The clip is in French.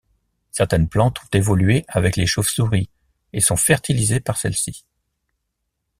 Certaines plantes ont évolué avec les chauves-souris et sont fertilisées par celles-ci.